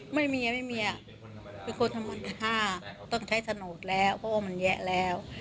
ไม่มีไม่มีอ่ะเป็นคนธรรมดาต้องใช้โฉนดแล้วเพราะว่ามันแยะแล้ว